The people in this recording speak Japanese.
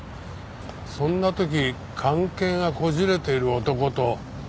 そんな時関係がこじれている男と旅行に行くかね？